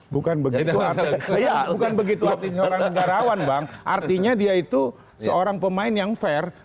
bukan begitu artinya seorang negarawan bang artinya dia itu seorang pemain yang fair